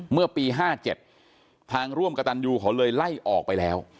เมื่อปี๕๗ทางร่วมกระตันยูเขาเลยไล่ออกไปแล้ว